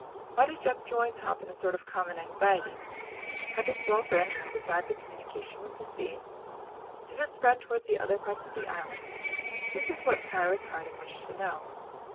Why did Jup join Top in a sort of common anxiety? Had this well branches besides the communication with the sea? Did it spread towards other parts of the island? This is what Cyrus Harding wished to know.